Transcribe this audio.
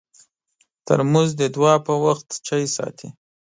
ترموز د دعا پر وخت چای ساتي.